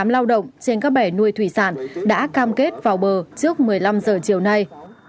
hai sáu trăm tám mươi tám lao động trên các bè nuôi thủy sản đã cam kết vào bờ trước một mươi năm giờ chiều nay